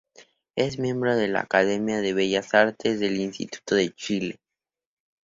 Es miembro de la Academia de Bellas Artes del Instituto de Chile.